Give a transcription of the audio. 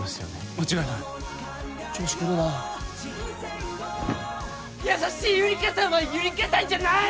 間違いない調子狂うな優しいゆりかさんはゆりかさんじゃない！